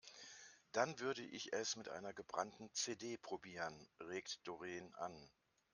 Dann würde ich es mit einer gebrannten CD probieren, regt Doreen an.